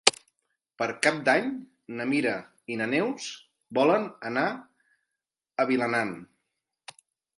Per Cap d'Any na Mira i na Neus volen anar a Vilanant.